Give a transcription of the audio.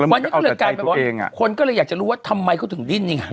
แล้วมันก็เอาแต่ใจตัวเองอ่ะคนก็เลยอยากจะรู้ว่าทำไมเขาถึงดิ้นอย่างงั้น